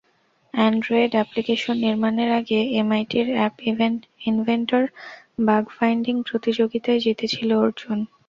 Android application নির্মাণের আগে এমআইটির অ্যাপ ইনভেন্টর বাগ ফাইন্ডিং প্রতিযোগিতায় জিতেছিল অর্জুন।